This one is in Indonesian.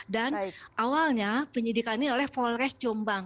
dan awalnya penyidikan ini oleh polres jombang